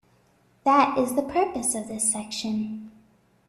That is the purpose of this section.